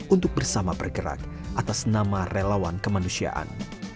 untuk bersama bergerak atas nama relawan kemanusiaan